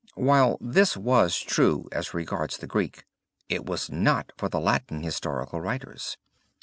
While this was true as regards the Greek, it was not for the Latin historical writers.